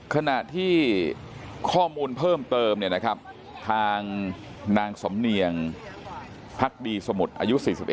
ขนาดที่ข้อมูลเพิ่มเติมเนี่ยนะครับทางนางสมเนียงพรรคดีสมุทรอายุ๔๑